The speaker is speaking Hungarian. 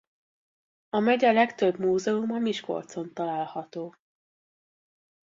A megye legtöbb múzeuma Miskolcon található.